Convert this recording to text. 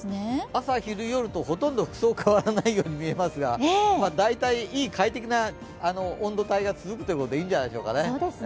朝昼夜とほとんど服装は変わらないように見えますが大体、快適な温度帯が続くということでいいんじゃないですかね。